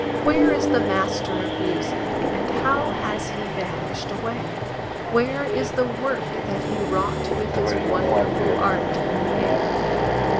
Where is the Master of Music, and how has he vanished away? Where is the work that he wrought with his wonderful art in the air?